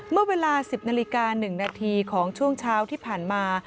เมื่อเวลา๑๐นาฬิกา๑นาทีของช่วงเช้าที่ผ่านมา